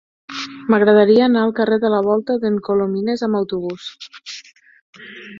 M'agradaria anar al carrer de la Volta d'en Colomines amb autobús.